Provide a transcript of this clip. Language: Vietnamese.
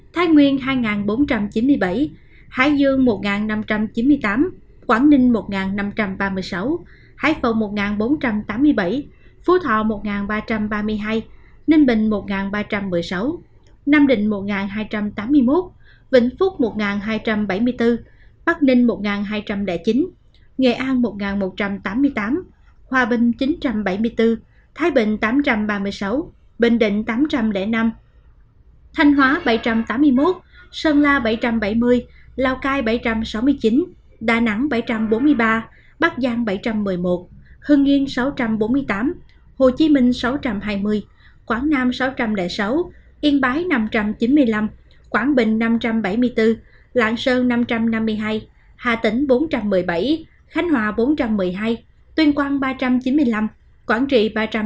thái bình tám trăm ba mươi sáu bình định tám trăm linh năm thanh hóa bảy trăm tám mươi một sơn la bảy trăm bảy mươi lào cai bảy trăm sáu mươi chín đà nẵng bảy trăm bốn mươi ba bắc giang bảy trăm một mươi một hương yên sáu trăm bốn mươi tám hồ chí minh sáu trăm hai mươi quảng nam sáu trăm linh sáu yên bái năm trăm chín mươi năm quảng bình năm trăm bảy mươi bốn lạng sơn năm trăm năm mươi hai hà tĩnh bốn trăm một mươi bảy khánh hòa bốn trăm một mươi hai tuyên quang ba trăm chín mươi năm quảng trị ba trăm một mươi năm